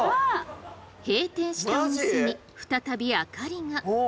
閉店したお店に再び明かりが。